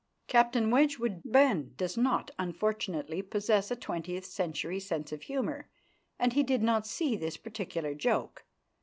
Captain Wedgwood Benn does not unfortunately possess a twentieth century sense of humour, and he did not see this particular joke.